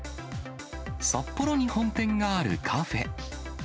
札幌に本店があるカフェ。